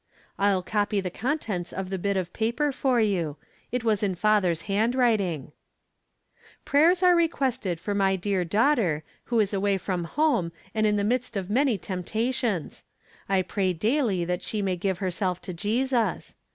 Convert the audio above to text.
I'll copy the contents of the bit of paper for you ; it was in father's hand writing ?" Prayers are requested for my dear daughter, who is away from home and in the midst of many temptations. I pray daily that she may give her self to Jesus.